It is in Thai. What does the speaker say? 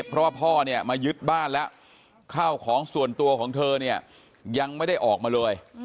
เพราะว่าพ่อเนี่ยมายึดบ้านแล้วข้าวของส่วนตัวของเธอเนี่ยยังไม่ได้ออกมาเลย